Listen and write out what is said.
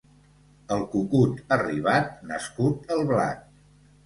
El cucut arribat, nascut el blat.